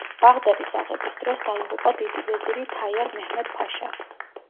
ბაღდადის აღების დროს, დაიღუპა დიდი ვეზირი თაიარ მეჰმედ-ფაშა.